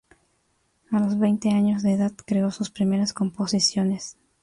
A los veinte años de edad creó sus primeras composiciones.